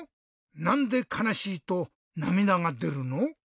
なんでかなしいとなみだがでるの？